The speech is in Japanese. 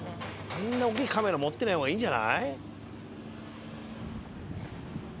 あんなおっきいカメラ持ってない方がいいんじゃない？